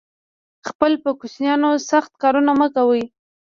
خپل په کوچینیانو سخت کارونه مه کوی